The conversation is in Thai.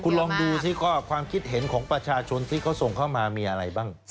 คุณลองดูสิก็ความคิดเห็นของประชาชนที่เขาส่งเข้ามามีอะไรบ้าง